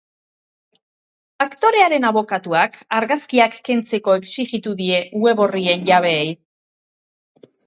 Aktorearen abokatuak argazkiak kentzeko exijitu die web orrien jabeei.